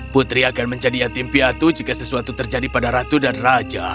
putri akan menjadi yatim piatu jika sesuatu terjadi pada ratu dan raja